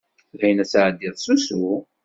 Dayen ad tɛeddiḍ s usu?